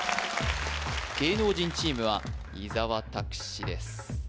芸能人チームは伊沢拓司です